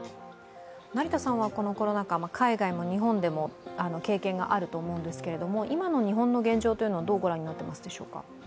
成田さんはこのコロナ禍、海外でも日本でも経験があると思うんですけれども、今の日本の現状をどうみておられるでしょうか？